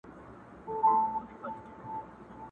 په جنګ وتلی د ټولي مځکي،